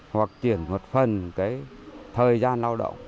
hoặc chuyển một phần cái thời gian lao động